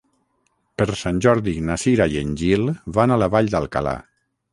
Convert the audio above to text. Per Sant Jordi na Cira i en Gil van a la Vall d'Alcalà.